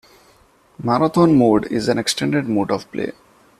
Marathon Mode is an extended mode of play.